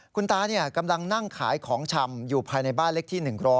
คุณตากำลังนั่งขายของชำอยู่ภายในบ้านเล็กที่๑๐๐